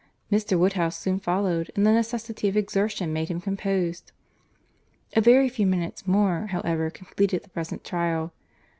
Mr. Woodhouse soon followed; and the necessity of exertion made him composed. A very few minutes more, however, completed the present trial.